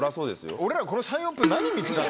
俺らこの３４分。